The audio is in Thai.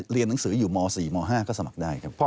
เรียนหนังสืออยู่ม๔ม๕ก็สมัครได้ครับ